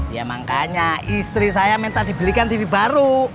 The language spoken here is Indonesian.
ya makanya istri saya minta dibelikan tv baru